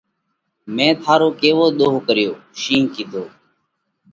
مئين ٿارو ڪيوو ۮوه ڪريوه؟ شِينه ڪِيڌو: